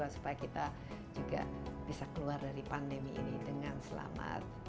supaya kita juga bisa keluar dari pandemi ini dengan selamat